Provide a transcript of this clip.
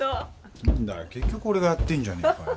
結局俺がやってんじゃねえかよ。